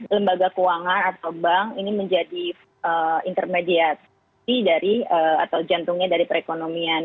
lembaga keuangan atau bank ini menjadi intermediasi dari atau jantungnya dari perekonomian